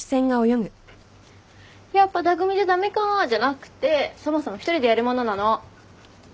「やっぱ匠じゃ駄目か」じゃなくてそもそも１人でやるものなの。